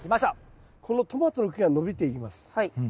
このトマトの木が伸びていきます。